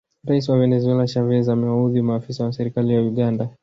Rais wa Venezuela Chavez amewaudhi maafisa wa serikali ya Uganda